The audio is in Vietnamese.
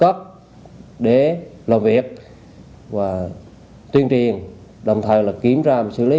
từ charlotte cho biết d frenk đã giới thiệu với chúng tôi